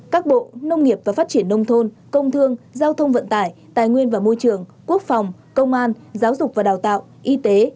các bộ nông nghiệp và phát triển nông thôn công thương giao thông vận tải tài nguyên và môi trường quốc phòng công an giáo dục và đào tạo y tế